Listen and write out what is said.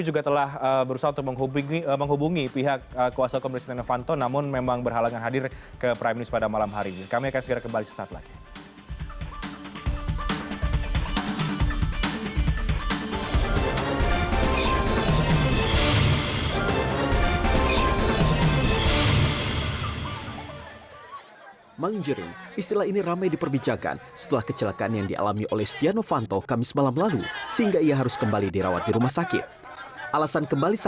juga telah berusaha untuk menghubungi